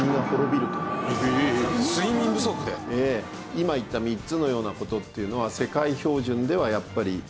今言った３つのような事っていうのは。